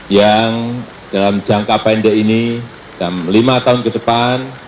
yang dalam jangka pendek ini dalam lima tahun ke depan